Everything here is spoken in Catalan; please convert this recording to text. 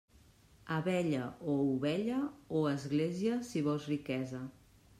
Abella o ovella o església, si vols riquesa.